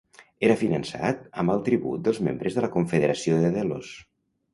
Era finançat amb el tribut dels membres de la Confederació de Delos.